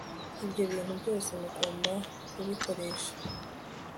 Ibyo bintu byose mugomba kubikoresha